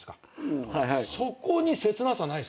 そこに切なさないですか？